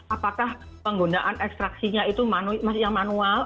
apakah penggunaan ekstraksinya itu masih yang manual